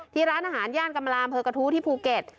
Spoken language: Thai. ที่ร้านอาหารย่านกำลาดเผอร์กะทู้ที่ภูเก็ต